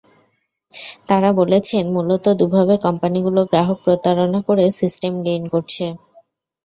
তাঁরা বলেছেন, মূলত দুভাবে কোম্পানিগুলো গ্রাহক প্রতারণা করে সিস্টেম গেইন করছে।